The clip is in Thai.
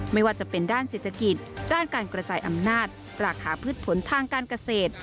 ไม่ว่าจะเป็นด้านเศรษฐกิจด้านการกระจายอำนาจราคาพืชผลทางการเกษตร